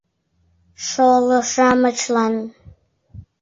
Шоло-шамычлан